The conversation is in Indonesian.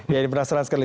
ya ini penasaran sekali